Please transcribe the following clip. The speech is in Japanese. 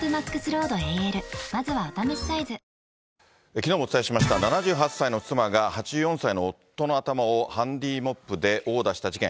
きのうもお伝えしました、７８歳の妻が８４歳の夫の頭をハンディーモップで殴打した事件。